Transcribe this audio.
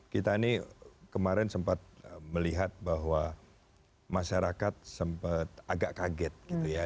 kita ini kemarin sempat melihat bahwa masyarakat sempat agak kaget gitu ya